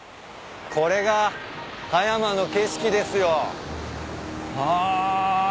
これが葉山の景色ですよ。は。